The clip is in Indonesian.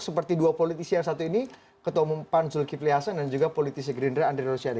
seperti dua politisi yang satu ini ketua umum pan zulkifli hasan dan juga politisi gerindra andre rosiade